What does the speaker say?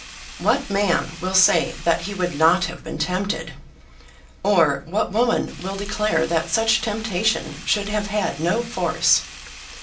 What man will say that he would not have been tempted? Or what woman will declare that such temptation should have had no force?